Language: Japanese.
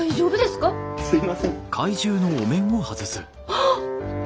あっ。